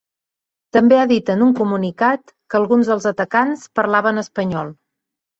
També ha dit en un comunicat que alguns dels atacants parlaven espanyol.